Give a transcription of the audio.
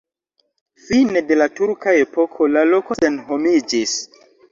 Fine de la turka epoko la loko senhomiĝis.